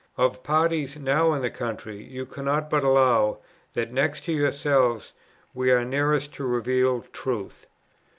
Of parties now in the country, you cannot but allow, that next to yourselves we are nearest to revealed truth.